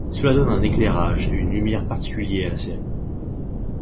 Cela donne un éclairage et une lumière particuliers à la série.